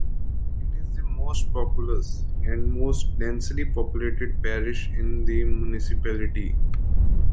It is the most populous and most densely populated parish in the municipality.